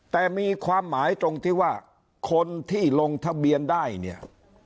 แต่มีความหมายตรงที่ว่าคนที่ลงทะเบียนได้เนี่ย